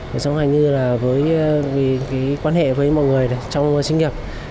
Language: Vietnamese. đời sống hàng như là với cái quan hệ với mọi người trong sinh nghiệp